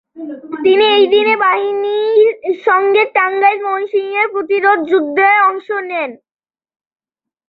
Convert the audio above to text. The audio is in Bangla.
তিনি এই বাহিনীর সঙ্গে টাঙ্গাইল-ময়মনসিংহে প্রতিরোধ যুদ্ধে অংশ নেন।